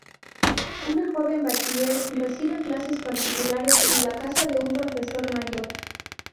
Una joven bachiller recibe clases particulares en la casa de un profesor mayor.